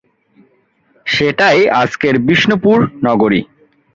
সেটাই আজকের বিষ্ণুপুর নগরী।